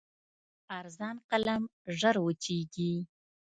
ارزان قلم ژر وچېږي.